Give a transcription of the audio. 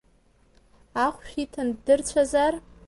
Ахәышә иҭаны ддырцәазар?